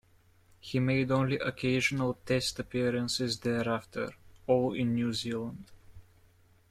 He made only occasional Test appearances thereafter, all in New Zealand.